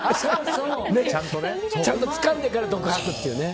ちゃんとつかんでから毒を吐くっていうね。